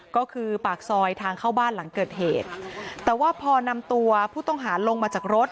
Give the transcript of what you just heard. ก็คือปากซอยทางเข้าบ้านหลังเกิดเหตุแต่ว่าพอนำตัวผู้ต้องหาลงมาจากรถ